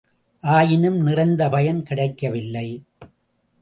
ஆயினும் நிறைந்த பயன் கிடைக்கவில்லை.